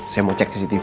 saya mau cek cctv